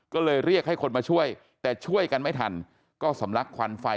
ก็เลยเรียกให้คนมาช่วยแต่ช่วยกันไม่ทันก็สำลักควันไฟ